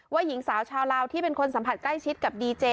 หญิงสาวชาวลาวที่เป็นคนสัมผัสใกล้ชิดกับดีเจ